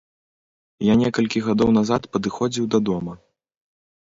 Я некалькі гадоў назад падыходзіў да дома.